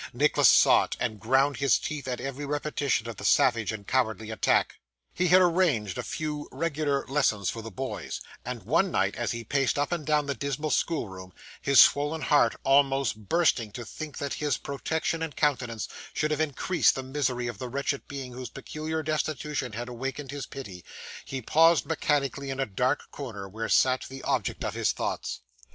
Nicholas saw it, and ground his teeth at every repetition of the savage and cowardly attack. He had arranged a few regular lessons for the boys; and one night, as he paced up and down the dismal schoolroom, his swollen heart almost bursting to think that his protection and countenance should have increased the misery of the wretched being whose peculiar destitution had awakened his pity, he paused mechanically in a dark corner where sat the object of his thoughts.